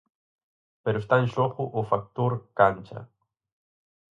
Pero está en xogo o factor cancha.